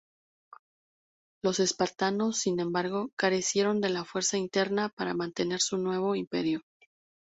Los espartanos, sin embargo, carecieron de la fuerza interna para mantener su nuevo Imperio.